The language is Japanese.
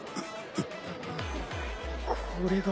これが。